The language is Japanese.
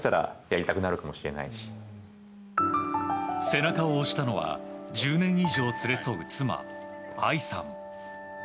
背中を押したのは１０年以上連れ添う妻・愛さん。